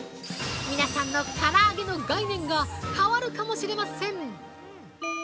皆さんのから揚げの概念が変わるかもしれません！